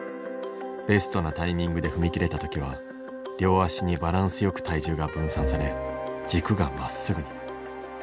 ベストなタイミングで踏み切れた時は両足にバランスよく体重が分散され軸がまっすぐに。